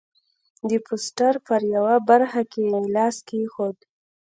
د پوسټر پر یوه برخه یې لاس کېښود.